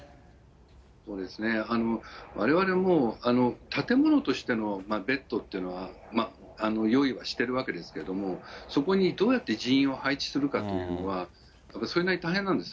そうですね、われわれも、建物としてのベッドというのは用意はしているわけですけれども、そこにどうやって人員を配置するかというのは、それなりに大変なんです。